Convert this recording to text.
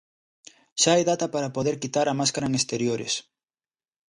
Xa hai data para poder quitar a máscara en exteriores.